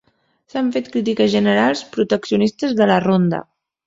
S'han fet crítiques generals proteccionistes de la ronda.